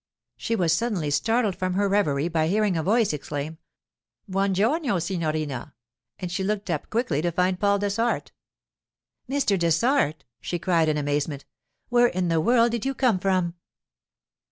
She was suddenly startled from her reverie by hearing a voice exclaim, 'Buon giorno, signorina!' and she looked up quickly to find Paul Dessart. 'Mr. Dessart!' she cried in amazement. 'Where in the world did you come from?